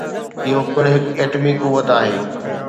اهو پڻ هڪ ايٽمي قوت آهي.